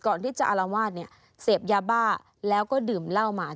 ก่อนที่จะอารวาสเสพยาบ้าแล้วก็ดื่มเหล้าหมา